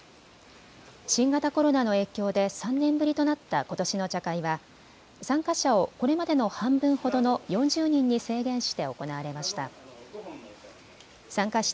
新型コロナの影響で３年ぶりとなったことしの茶会は参加者をこれまでの半分ほどの４０人に制限して行われました。